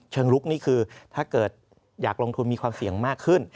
ลุกนี่คือถ้าเกิดอยากลงทุนมีความเสี่ยงมากขึ้น